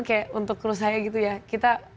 kayak untuk kru saya gitu ya kita